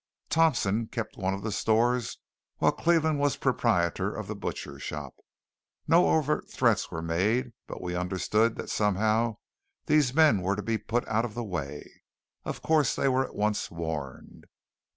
Thompson kept one of the stores, while Cleveland was proprietor of the butcher shop. No overt threats were made, but we understood that somehow these men were to be put out of the way. Of course they were at once warned.